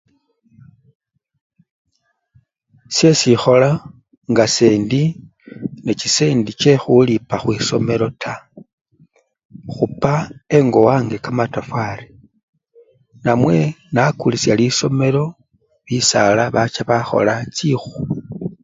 Syesi ikhola nga sendi nechisendi chekhulipa khwisomelo taa, ikhupa engo wange kamatafwari, namwe nakulisya lisomelo bisala bacha bakhola chikhu.